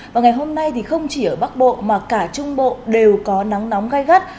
và ngày hôm nay thì không chỉ ở bắc bộ mà cả trung bộ đều có nắng nóng gai gắt